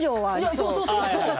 そうそうそうそう。